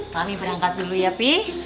kami berangkat dulu ya pi